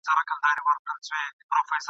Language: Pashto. که لوڅ مخي سولې حوري د کابل او بدخشان `